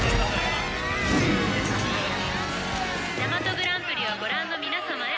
「ジャマトグランプリをご覧の皆様へ」